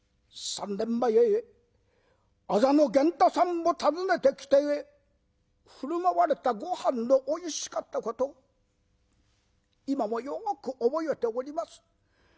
３年前あざの源太さんを訪ねてきて振る舞われたごはんのおいしかったこと今もよく覚えております。